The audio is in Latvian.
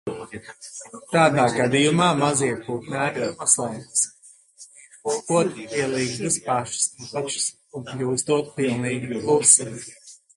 Tādā gadījumā mazie putnēni noslēpjas, pieplokot pie ligzdas pašas apakšas un kļūstot pilnīgi klusi.